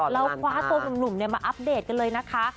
แล้วคว้าตัวหนุ่มมาอัปเดตกันเลยนะคะ